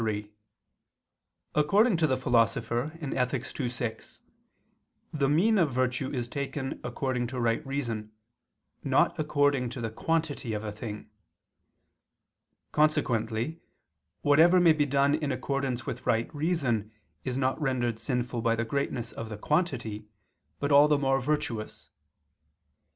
3: According to the Philosopher (Ethic. ii, 6), the mean of virtue is taken according to right reason, not according to the quantity of a thing. Consequently whatever may be done in accordance with right reason is not rendered sinful by the greatness of the quantity, but all the more virtuous.